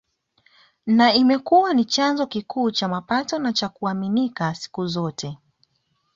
Na imekuwa ni chanzo kikuu cha mapato na cha kuaminika siku zote